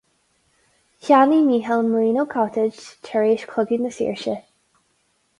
Cheannaigh Mícheál Marino Cottage tar éis Chogadh na Saoirse.